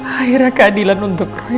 akhirnya keadilan untuk roy